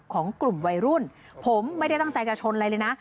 ของกลุ่มวัยรุ่นผมไม่ได้ตั้งใจจะชนอะไรเลยนะ